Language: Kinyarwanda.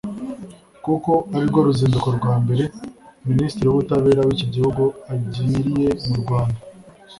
kuko ari rwo ruzinduko rwa mbere minisitiri w’ubutabera w’iki gihugu agiriye mu Rwanda